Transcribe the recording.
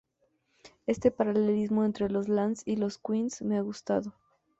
Este paralelismo entre los Lance y los Queen me ha gustado.